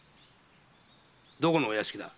どこのお屋敷だ？